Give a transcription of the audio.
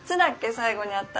最後に会ったの。